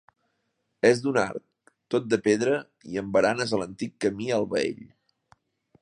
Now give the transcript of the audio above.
És d'un arc, tot de pedra i amb baranes a l'antic camí al Baell.